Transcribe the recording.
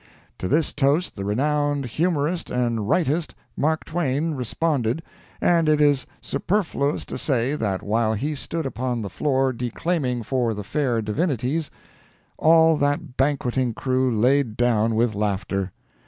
"To this toast the renowned humorist and writist, Mark Twain, responded and it is superfluous to say that while he stood upon the floor declaiming for the fair divinities, all that banqueting crew laid down with laughter.